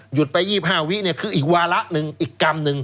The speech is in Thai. ไป๒๕วิเนี่ยคืออีกวาระหนึ่งอีกกรรมหนึ่ง